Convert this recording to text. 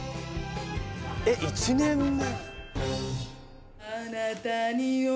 えっ１年目。